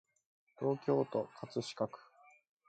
東京都葛飾区